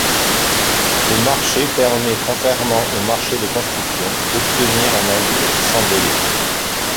Ce marché permet, contrairement au marché de construction, d'obtenir un navire sans délai.